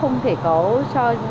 không thể có cho